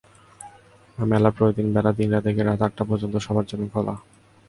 মেলা প্রতিদিন বেলা তিনটা থেকে রাত আটটা পর্যন্ত সবার জন্য খোলা।